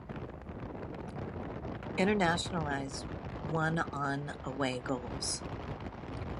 Internazionale won on away goals.